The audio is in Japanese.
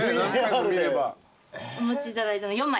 お持ちいただいたの４枚。